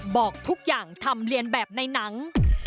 บอกทุกอย่างทำเรียนแบบในหนัง